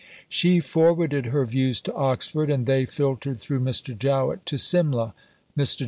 She forwarded her views to Oxford, and they filtered through Mr. Jowett to Simla. Mr.